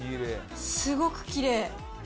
すごくきれい。